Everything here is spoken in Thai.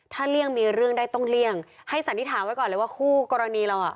ถ้าเลี่ยงมีเรื่องได้ต้องเลี่ยงให้สันนิษฐานไว้ก่อนเลยว่าคู่กรณีเราอ่ะ